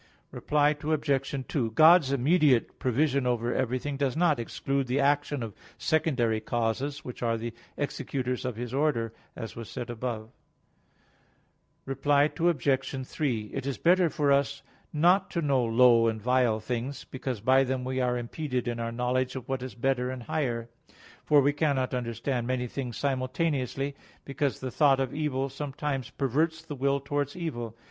Reply Obj. 2: God's immediate provision over everything does not exclude the action of secondary causes; which are the executors of His order, as was said above (Q. 19, AA. 5, 8). Reply Obj. 3: It is better for us not to know low and vile things, because by them we are impeded in our knowledge of what is better and higher; for we cannot understand many things simultaneously; because the thought of evil sometimes perverts the will towards evil.